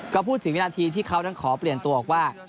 ก็พูดถึงวินาทีที่เขานั้นขอเปลี่ยนตัวออกว่า